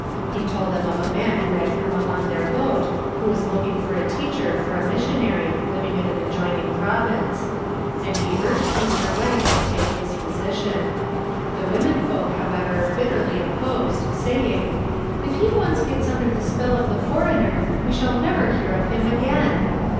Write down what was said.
He told them of a man who had come up on their boat who was looking for a teacher for a missionary living in an adjoining province, and he urged Mr. Wang to take this position. The women folk, however, bitterly opposed saying, "If he once gets under the spell of the foreigner we shall never hear of him again."